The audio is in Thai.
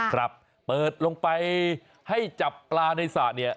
ครับเปิดลงไปให้จับปลาในสระเนี่ย